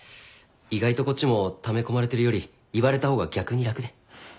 意外とこっちもため込まれてるより言われた方が逆に楽で。